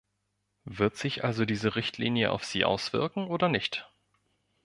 Wird sich also diese Richtlinie auf sie auswirken oder nicht?